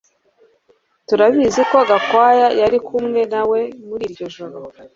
Turabizi ko Gakwaya yari kumwe nawe muri iryo joro